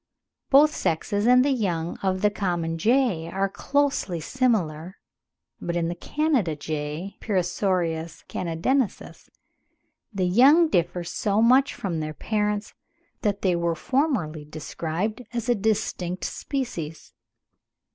(28. Gould, ibid. vol. ii. pp. 37, 46, 56.) Both sexes and the young of the common jay are closely similar; but in the Canada jay (Perisoreus canadensis) the young differ so much from their parents that they were formerly described as distinct species.